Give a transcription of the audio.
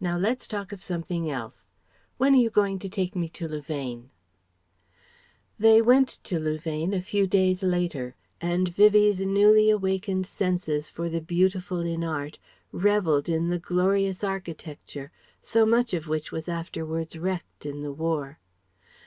Now let's talk of something else. When are you going to take me to Louvain?" They went to Louvain a few days later and Vivie's newly awakened senses for the beautiful in art revelled in the glorious architecture, so much of which was afterwards wrecked in the War.